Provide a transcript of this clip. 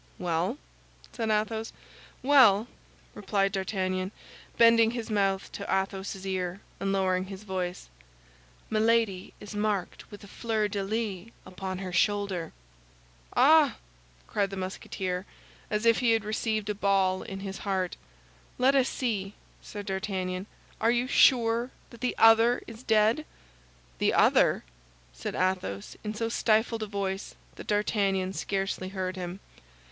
"Well?" said Athos. "Well," replied D'Artagnan, bending his mouth to Athos's ear, and lowering his voice, "Milady is marked with a fleur de lis upon her shoulder!" "Ah!" cried the Musketeer, as if he had received a ball in his heart. "Let us see," said D'Artagnan. "Are you sure that the other is dead?" "The other?" said Athos, in so stifled a voice that D'Artagnan scarcely heard him.